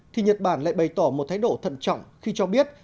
thì nhật bản lại bày tỏ một thái độ thận trọng khi cho biết